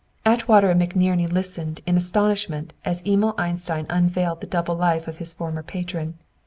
Atwater and McNerney listened, in astonishment, as Emil Einstein unveiled the double life of his former patron.